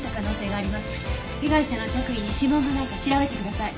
被害者の着衣に指紋がないか調べてください。